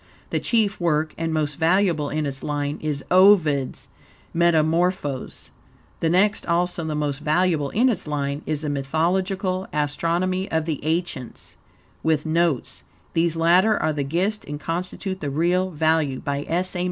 The chief work, and most valuable in its line, is Ovid's "Metamorphoses." The next, also the most valuable in its line, is "The Mythological Astronomy of the Ancients," with notes (these latter are the gist and constitute the real value), by S. A.